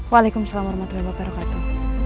waalaikumsalam warahmatullahi wabarakatuh